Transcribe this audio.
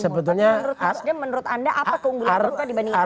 sebetulnya asli menurut anda apa keunggulan bu kofifa dibandingin mas ahai